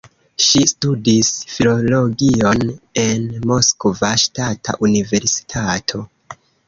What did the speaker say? Ŝi studis filologion en Moskva Ŝtata Universitato.